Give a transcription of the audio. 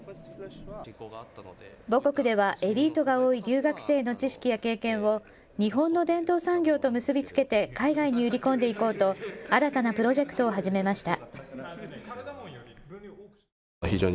母国ではエリートが多い留学生の知識や経験を日本の伝統産業と結び付けて海外に売り込んでいこうと新たなプロジェクトを始めました。